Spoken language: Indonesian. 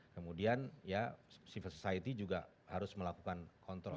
kemudian ya civil society juga harus melakukan kontrol